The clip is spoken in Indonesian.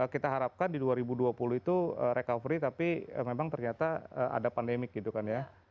kita harapkan di dua ribu dua puluh itu recovery tapi memang ternyata ada pandemik gitu kan ya